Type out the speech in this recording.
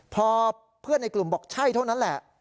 พอเพื่อนในกลุ่มบอกใช่เท่านั้นแหละ